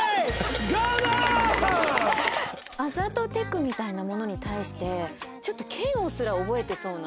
あざとテクみたいなものに対してちょっと嫌悪すら覚えてそうな。